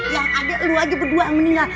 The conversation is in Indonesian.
yang adik lu aja berdua yang meninggal